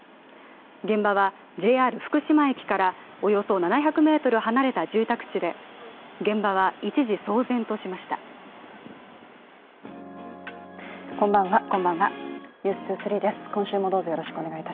現場はＪＲ福島駅からおよそ７００ｍ離れた住宅地で現場は一時騒然としました。